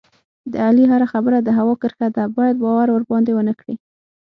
د علي هره خبره د هوا کرښه ده، باید باور ورباندې و نه کړې.